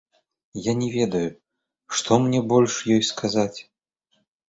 Я не ведаю, што мне больш ёй сказаць.